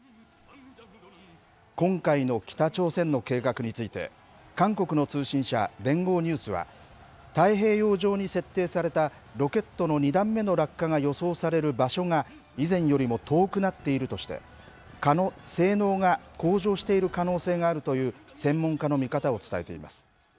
今回の北朝鮮の計画について、韓国の通信社、連合ニュースは、太平洋上に設定されたロケットの２段目の落下が予想される場所が、以前よりも遠くなっているとして、性能が向上している可能性があるという、専門家の見方を伝えています。